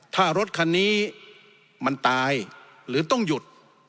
ถ้ารถคันนี้มันตายหรือต้องหยุด